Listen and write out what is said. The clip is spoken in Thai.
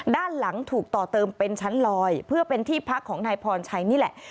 ด้านหลังถูกต่อเติมเป็นชั้นลอยเพื่อเป็นที่พักของนายพรชัยนี่แหละ